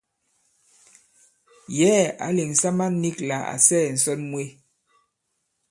Yɛ̌ɛ̀ ǎ lèŋsa man nīk lā à sɛɛ̀ ǹsɔn mwe.